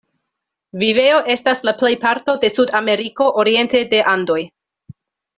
Vivejo estas la plejparto de Sud-Ameriko oriente de Andoj.